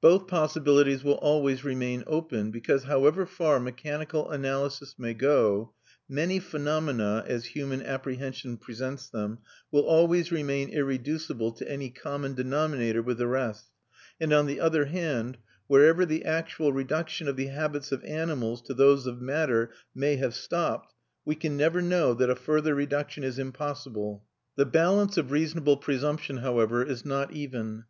Both possibilities will always remain open, because however far mechanical analysis may go, many phenomena, as human apprehension presents them, will always remain irreducible to any common denominator with the rest; and on the other hand, wherever the actual reduction of the habits of animals to those of matter may have stopped, we can never know that a further reduction is impossible. The balance of reasonable presumption, however, is not even.